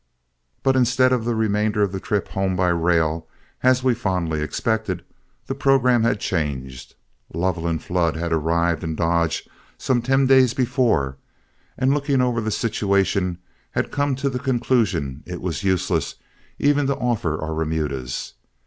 But instead of the remainder of the trip home by rail, as we fondly expected, the programme had changed. Lovell and Flood had arrived in Dodge some ten days before, and looking over the situation, had come to the conclusion it was useless even to offer our remudas.